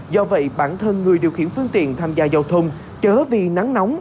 do vậy bản thân người điều khiển phương tiện tham gia giao thông chớ vì nắng nóng